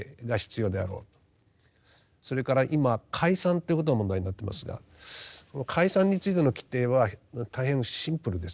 それから今解散ということが問題になってますがこの解散についての規定は大変シンプルです。